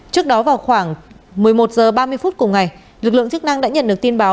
trước đó vào khoảng một mươi một h ba mươi phút cùng ngày lực lượng chức năng đã nhận được tin báo